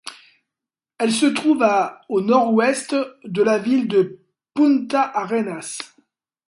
Elle se trouve à au nord-ouest de la ville de Punta Arenas.